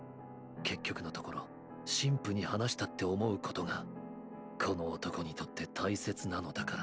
結局のところ「神父に話した」って思うことがこの男にとって大切なのだから。